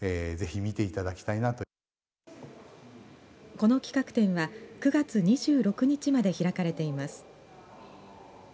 この企画展は９月２６日まで開かれています。